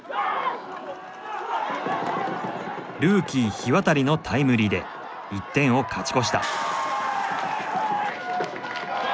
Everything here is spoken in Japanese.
ルーキー日渡のタイムリーで１点を勝ち越した。